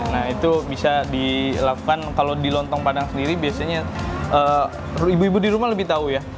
nah itu bisa dilakukan kalau di lontong padang sendiri biasanya ibu ibu di rumah lebih tahu ya